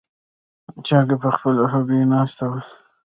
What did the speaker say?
چرګه په خپلو هګیو ناستې وه.